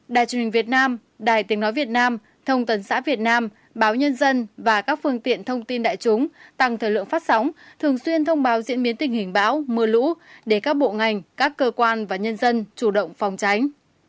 đài truyền hình việt nam đài tình nói việt nam thông tấn xã việt nam báo nhân dân và các phương tiện thông tin đại chúng tăng thời lượng phát sóng thường xuyên thông báo diễn biến tình hình bão mưa lũ để các bộ ngành các cơ quan và nhân dân chủ động phòng tránh